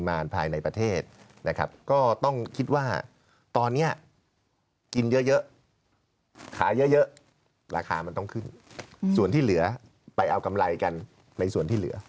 มันต้องขึ้นส่วนที่เหลือไปเอากำไรกันไปส่วนที่เหลือ